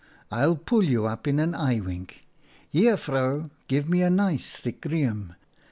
I'll pull you up in an eye wink. Here, vrouw, give me a nice thick riem.